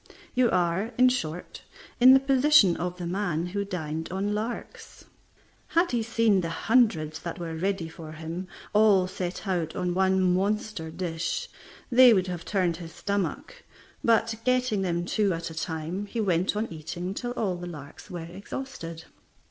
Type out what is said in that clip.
You are, in short, in the position of the man who dined on larks. Had he seen the hundreds that were ready for him, all set out on one monster dish, they would have turned his stomach; but getting them two at a time, he went on eating till all the larks were exhausted.